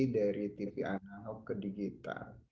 dari tv analog ke digital